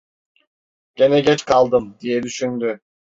"Gene geç kaldım!" diye düşündü.